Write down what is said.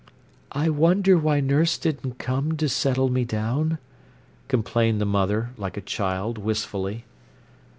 "I wonder why nurse didn't come to settle me down?" complained the mother, like a child, wistfully.